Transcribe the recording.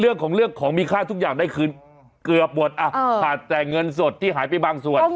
ก็คือเลือกของมีค่าทุกอย่างได้ขึ้นเกือบหมดแต่เงินสดที่หายไปบ้างส่วน